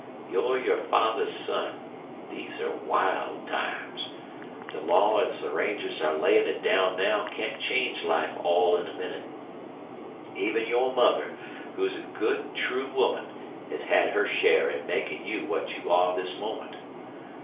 You're your father's son. These are wild times. The law as the rangers are laying it down now can't change life all in a minute. Even your mother, who's a good, true woman, has had her share in making you what you are this moment.